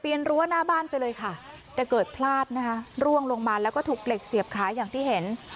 รั้วหน้าบ้านไปเลยค่ะแต่เกิดพลาดนะคะร่วงลงมาแล้วก็ถูกเหล็กเสียบขาอย่างที่เห็น